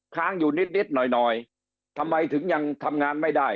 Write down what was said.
ค้างอยู่นิดหน่อยทำไมถึงยังทำงานไม่ได้